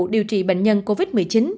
điều trị bệnh nhân covid một mươi chín